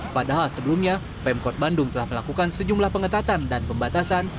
padahal sebelumnya pemkot bandung telah melakukan sejumlah pengetatan dan pembatasan